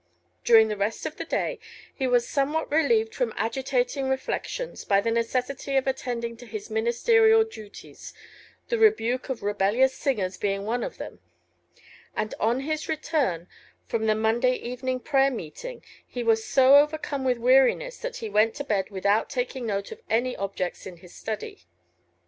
During the rest of the day he was somewhat relieved from agitating reflections by the necessity of attending to his ministerial duties, the rebuke of rebellious singers being one of them; and on his return from the Monday evening prayer meeting he was so overcome with weariness that he went to bed without taking note of any objects in his study.